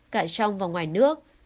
cả trong và ngoài nước